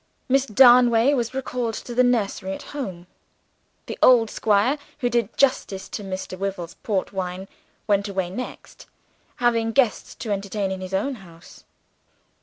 Miss Darnaway was recalled to the nursery at home. The old squire who did justice to Mr. Wyvil's port wine went away next, having guests to entertain at his own house.